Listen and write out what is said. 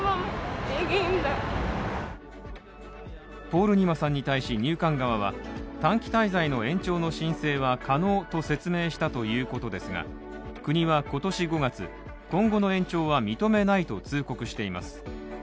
ポールニマさんに対し入管側は短期滞在の延長の申請は可能と説明したということですが国は今年５月今後の延長は認めないと通告しています。